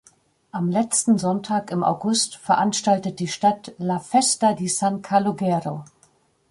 Am letzten Sonntag im August veranstaltet die Stadt "La festa di San Calogero".